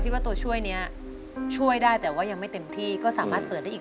แผ่นที่๔นะครับ